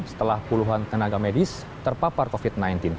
setelah puluhan tenaga medis terpapar covid sembilan belas